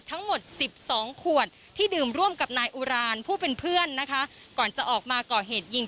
ทั้งหมด๑๒ขวดที่ดื่มร่วมกับนายอุรานผู้เป็นเพื่อนนะคะก่อนจะออกมาก่อเหตุยิง